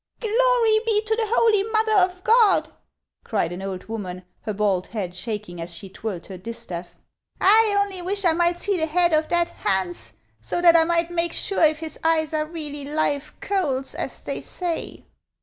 "Glory be to the holy mother of God !" cried an old woman, her bald head shaking as she twirled her distaff. " I only wish I might see the head of that Hans, so that I might make sure if his eyes are really live coals, as they say."